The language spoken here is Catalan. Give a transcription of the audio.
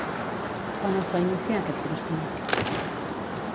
Quan es va iniciar aquest procés?